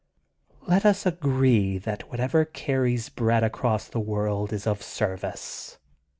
*^Let us agree that whatever carries bread across the world is of service.